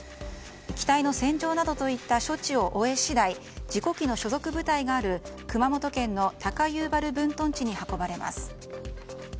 機体の洗浄などといった処置を終え次第事故機の所属部隊がある熊本県の高遊原分屯地に運ばれます。